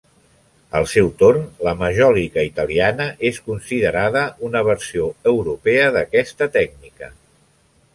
Al seu torn, la majòlica italiana es considera una versió europea d'aquesta tècnica.